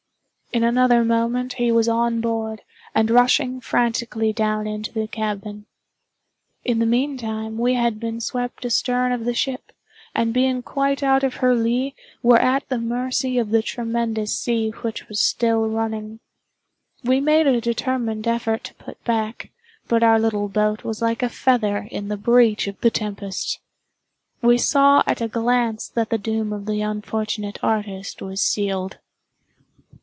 In another moment he was on board, and rushing frantically down into the cabin. In the meantime, we had been swept astern of the ship, and being quite out of her lee, were at the mercy of the tremendous sea which was still running. We made a determined effort to put back, but our little boat was like a feather in the breath of the tempest. We saw at a glance that the doom of the unfortunate artist was sealed.